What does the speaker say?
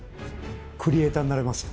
クリエイターになれますよ。